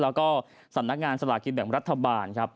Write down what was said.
แล้วก็สนักงานสละกี่แบบประตบาล